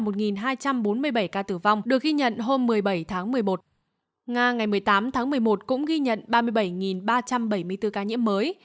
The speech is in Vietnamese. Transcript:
cơ quan ứng phó dịch covid một mươi chín của nga ngày một mươi tám tháng một mươi một cũng ghi nhận ba mươi bảy ba trăm bảy mươi bốn ca nhiễm mới